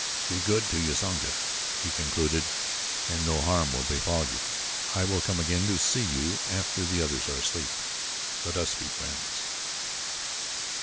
"Be good to Usanga," he concluded, "and no harm will befall you. I will come again to see you after the others are asleep. Let us be friends."